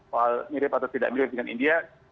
soal mirip atau tidak mirip dengan india